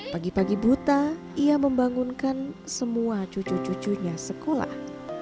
pagi pagi buta ia membangunkan semua cucu cucunya sekolah